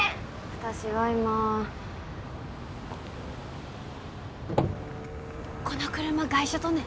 私は今この車外車とね？